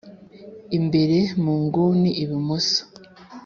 imbere munguni ibumoso